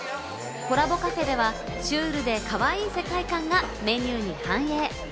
コラボカフェでは、シュールでかわいい世界観がメニューに反映。